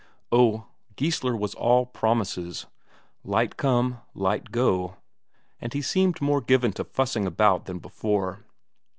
Oh, Geissler was all promises. Light come, light go and he seemed more giving to fussing about than before.